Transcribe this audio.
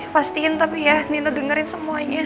pastiin tapi ya nina dengerin semuanya